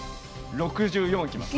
６４いきます。